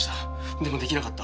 でもできなかった。